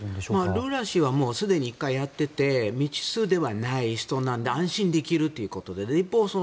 ルラ氏はすでに１回やっていて未知数ではない人なので安心できるということで一方